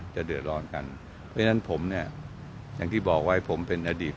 จะเดือดร้อนกันเพราะฉะนั้นผมเนี่ยอย่างที่บอกว่าผมเป็นอดีต